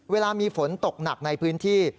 เวลามีฝนตกหนักในพื้นที่